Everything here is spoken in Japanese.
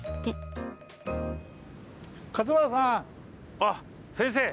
あっ先生！